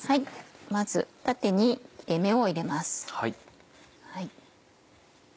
まず縦に切れ目を入れます。